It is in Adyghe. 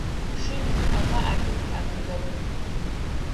Шы имыӏэмэ адыг – адыгэп.